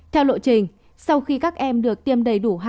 theo lộ trình sau khi các em được tiêm đầy đủ